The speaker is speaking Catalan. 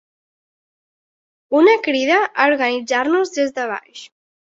Una crida a organitzar-nos des de baix.